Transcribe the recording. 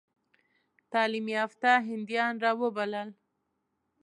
تعلیم یافته هندیان را وبلل.